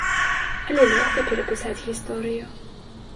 Але лёгка перапісаць гісторыю.